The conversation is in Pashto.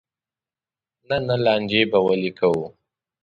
نه نه لانجې به ولې کوو.